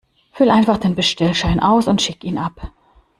Füll einfach den Bestellschein aus und schick ihn ab.